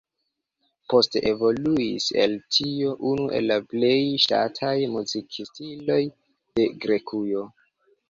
Poste evoluis el tio unu el la plej ŝatataj muzikstiloj de Grekujo.